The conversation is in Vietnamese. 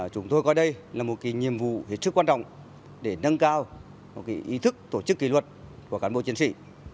chúng tôi coi đây là một nhiệm vụ hết sức quan trọng để nâng cao ý thức tổ chức kỷ luật của cán bộ chiến sĩ